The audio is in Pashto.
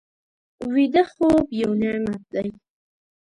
ویده خوب یو نعمت دی